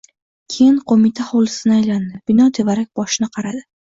Keyin, qo‘mita hovlisini aylandi. Bino tevarak-boshini qaradi.